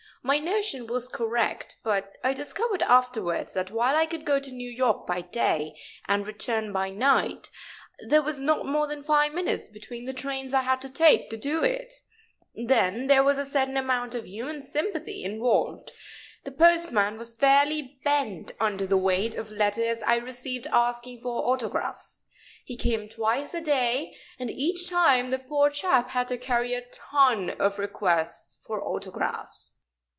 My notion was correct, but I discovered afterwards that while I could go to New York by day and return by night, there was not more than five minutes between the trains I had to take to do it. Then there was a certain amount of human sympathy involved. The postman was fairly bent under the weight of the letters I received asking for autographs. He came twice a day, and each time the poor chap had to carry a ton of requests for autographs."